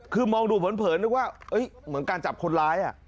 คือมองดูเผินนึกว่าเหมือนการจับคนร้าย